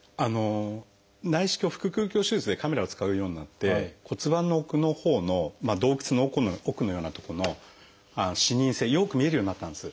内視鏡腹くう鏡手術でカメラを使うようになって骨盤の奥のほうの洞窟の奥のようなとこの視認性よく見えるようになったんです。